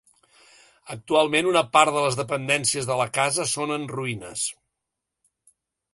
Actualment una part de les dependències de la casa són en ruïnes.